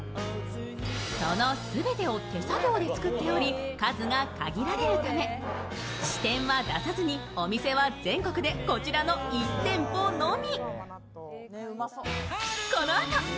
その全てを手作業で作っており、数が限られるため支店は出さずにお店は全国でこちらの１店舗のみ。